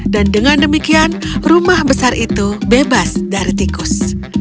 dan dengan demikian rumah besar itu bebas dari tikus